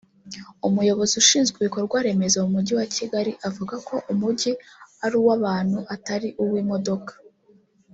Umuyobozi ushinzwe ibikorwaremezo mu Mujyi wa Kigali avuga ko umujyi ari uw’abantu atari uw’imodoka